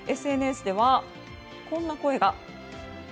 ＳＮＳではこんな声が。